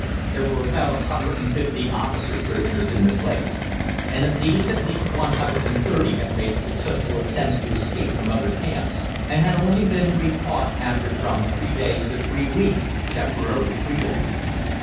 There were about 150 officer prisoners in the place, and of these at least 130 had made successful attempts to escape from other camps, and had only been recaught after from three days' to three weeks' temporary freedom.